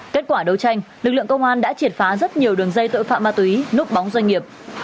kết quả đấu tranh lực lượng công an đã triệt phá rất nhiều đường dây tội phạm ma túy núp bóng doanh nghiệp